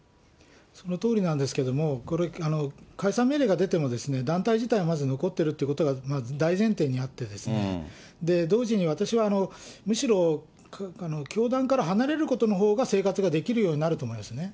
そのとおりなんですけれども、これ、解散命令が出ても、団体自体はまず残ってるってことが大前提にあって、同時に私は、むしろ教団から離れることのほうが、生活ができるようになると思いますね。